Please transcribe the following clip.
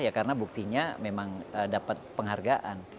ya karena buktinya memang dapat penghargaan